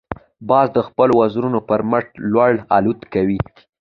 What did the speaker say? باز د خپلو وزرونو پر مټ لوړ الوت کوي